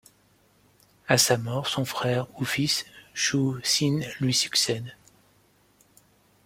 À sa mort, son frère ou fils Shu-Sîn lui succède.